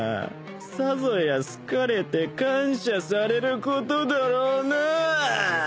さぞや好かれて感謝されることだろうなぁあ。